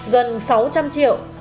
gần sáu trăm linh triệu